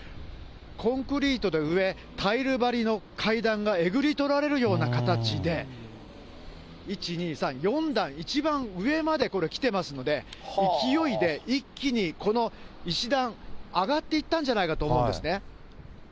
コンクリートの上、タイル張りの階段がえぐり取られるような形で、１、２、３、４段、一番上までこれ、来てますので、勢いで、一気に、この石段上がっていったんじゃないかと思うんですね。